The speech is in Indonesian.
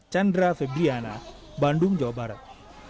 chandra febriana bandung jawa barat